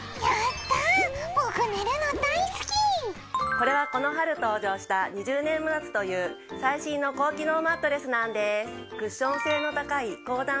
これはこの春登場した「２０年ＭｕＡｔｓｕ」という最新の高機能マットレスなんです。